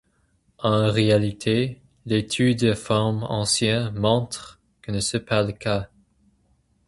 En réalité, l'étude des formes anciennes montre que ce n'est pas le cas.